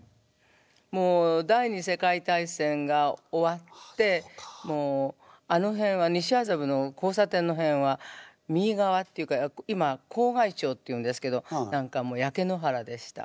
もう第２次世界大戦が終わってもうあの辺は西麻布の交差点のへんは右側っていうか笄町っていうんですけど何かもう焼け野原でした。